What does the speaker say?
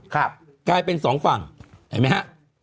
กลายเป็นสองฝั่งเห็นไหมฮะ